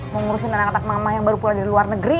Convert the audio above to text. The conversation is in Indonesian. mengurusin anak anak mama yang baru pulang dari luar negeri